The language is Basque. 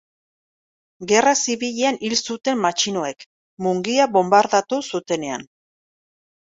Gerra Zibilean hil zuten matxinoek, Mungia bonbardatu zutenean.